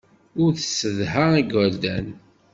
Ur tessedha igerdan.